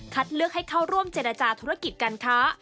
เลือกให้เข้าร่วมเจรจาธุรกิจการค้า